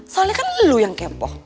soalnya kan lu yang kepoh